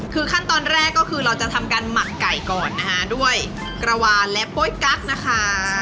คือขั้นตอนแรกก็คือเราจะทำการหมักไก่ก่อนนะคะด้วยกระวานและโป๊ยกั๊กนะคะ